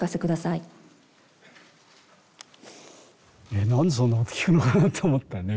えなんでそんなこと聞くのかなって思ったよね。